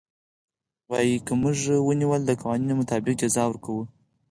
وايي که موږ ونيول د قوانينو مطابق جزا ورکوو.